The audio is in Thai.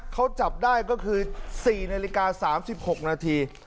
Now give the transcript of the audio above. เขาจับได้ก็คือสี่นาฬิกาสามสิบหกนาที